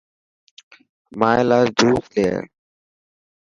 مائي لا جوس لي اي.